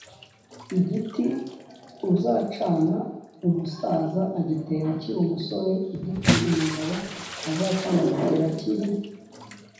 Igiti uzacana umusaza agitera akiri umusore Igiti umugabo azacana agitera akiri